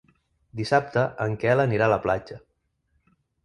Dissabte en Quel anirà a la platja.